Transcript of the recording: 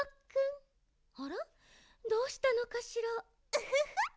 ウフフッ！